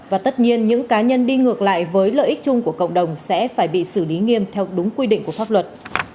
và tất nhiên những cá nhân đi ngược lại với lợi ích chung của cộng đồng sẽ phải bị xử lý nghiêm theo đúng quy định của pháp luật